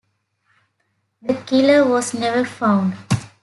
The killer was never found.